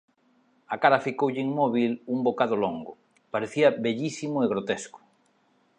A cara ficoulle inmóbil un bocado longo; parecía vellísimo e grotesco.